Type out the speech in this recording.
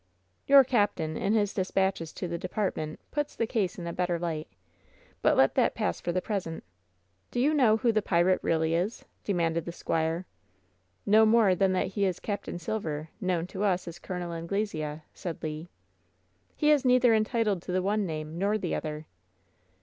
"Your captain, in his dispatches to the department, puts the case in a better light. But let that pass for the present. Do you know who the pirate really is ?" de manded the squire. "No more than that he is Capt. Silver, known to us as Col. Anfflesea," said Le. "He is neither entitled to the one name nor the other."